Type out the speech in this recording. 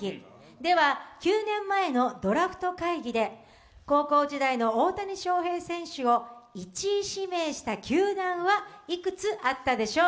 では９年前のドラフト会議で高校時代の大谷翔平選手を１位指名した球団はいくつあったでしょう？